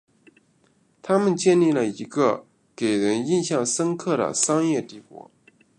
他们建立了一个给人印象深刻的商业帝国。